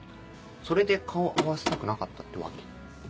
それで顔合わせたくなかったってわけ？